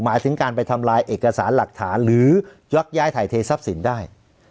หมายถึงการไปทำลายเอกสารหลักฐานหรือยกย้ายถ่ายเททรัพย์สินได้